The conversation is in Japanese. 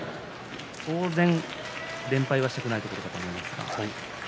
当然、連敗はしたくないと思いますが。